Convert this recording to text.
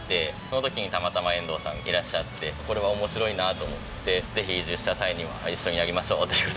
その時にたまたま遠藤さんいらっしゃってこれは面白いなと思ってぜひ移住した際には一緒にやりましょうという事で。